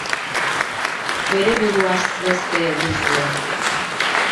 Bere buruaz beste egin zuen.